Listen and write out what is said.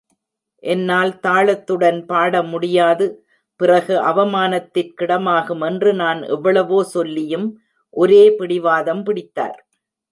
என்னால் தாளத்துடன் பாட முடியாது, பிறகு அவமானத்திற்கிடமாகும் என்று நான் எவ்வளவோ சொல்லியும் ஒரே பிடிவாதம் பிடித்தார்.